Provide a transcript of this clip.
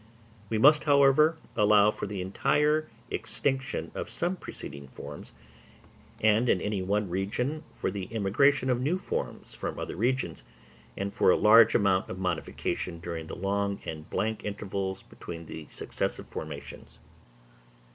We must, however, allow for the entire extinction of some preceding forms, and in any one region for the immigration of new forms from other regions, and for a large amount of modification during the long and blank intervals between the successive formations.